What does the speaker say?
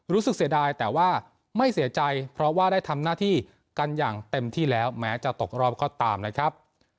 เสียดายแต่ว่าไม่เสียใจเพราะว่าได้ทำหน้าที่กันอย่างเต็มที่แล้วแม้จะตกรอบก็ตามนะครับ